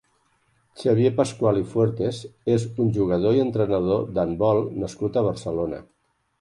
Xavier Pascual i Fuertes és un jugador i entrenador d'handbol nascut a Barcelona.